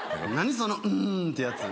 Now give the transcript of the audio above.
その「うーん」ってやつ